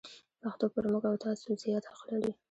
پښتو پر موږ او تاسو زیات حق لري.